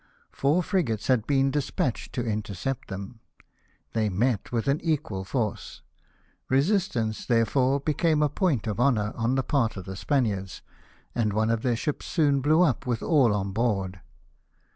Four frigates had been des patched to intercept them. They met with an equal force. Resistance, therefore, became a point of honour on the part of the Spaniards, and one of their ships soon blew up with all on board.